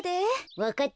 わかった。